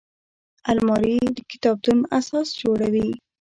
الماري د کتابتون اساس جوړوي